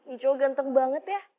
nijo ganteng banget ya